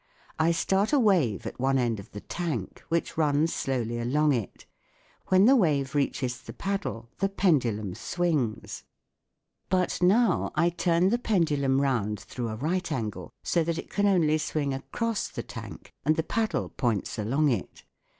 I start a wave at one end of the tank, which runs slowly along it ; when the wave reaches the paddle the pendulum swings. But now I turn SOUND IN WAR 175 Bi _ Djreciional Hydrophone the pendulum round through a right angle so that it can only swing across the tank and the paddle points along it.